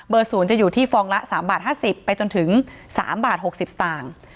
เบอร์๐จะอยู่ที่ฟองละ๓บาท๕๐บาทไปจนถึง๓บาท๖๐บาท